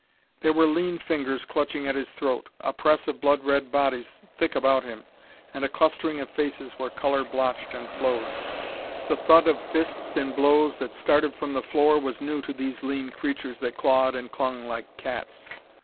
There were lean fingers clutching at his throat, a press of blood red bodies thick about him, and a clustering of faces where color blotched and flowed. The thud of fists in blows that started from the floor was new to these lean creatures that clawed and clung like cats.